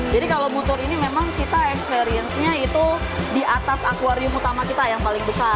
jadi kalau butur ini memang kita experience nya itu di atas aquarium utama kita yang paling besar